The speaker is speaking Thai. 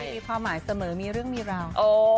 มีความหมายเสมอมีเรื่องมีราว